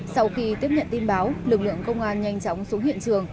sau khi tiếp nhận tin báo lực lượng công an nhanh chóng xuống hiện trường